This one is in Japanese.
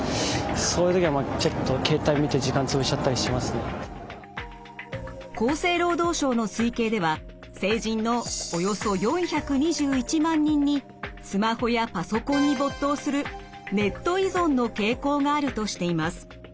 そういう時はちょっと厚生労働省の推計では成人のおよそ４２１万人にスマホやパソコンに没頭するネット依存の傾向があるとしています。